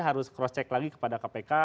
harus cross check lagi kepada kpk